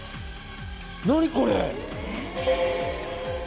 何これ？